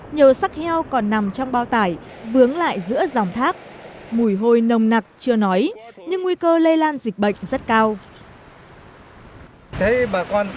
nhờ sắc heo còn nằm trong bao tải vướng lại giữa dòng thác mùi hôi nồng nặc chưa nói nhưng nguy cơ lây lan dịch bệnh rất cao